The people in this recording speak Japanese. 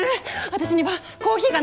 私にはコーヒーがないと。